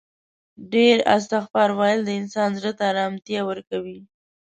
ډیر استغفار ویل د انسان زړه ته آرامتیا ورکوي